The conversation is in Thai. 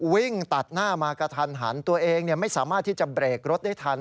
วิ่งตัดหน้ามากระทันหันตัวเองไม่สามารถที่จะเบรกรถได้ทัน